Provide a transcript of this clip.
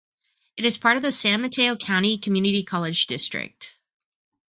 It is part of the San Mateo County Community College District.